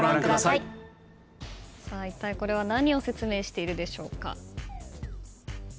いったいこれは何を説明しているでしょうか？